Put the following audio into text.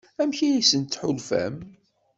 Amek i asent-tḥulfam?